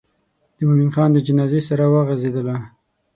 د مومن خان د جنازې سره وغزېدله.